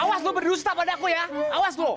awas lo berdusta pada aku ya awas lo